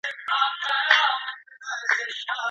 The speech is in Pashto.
قلمي خط د موضوعاتو ترمنځ د اړیکو د پیدا کولو لاره ده.